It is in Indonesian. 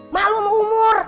malu sama umur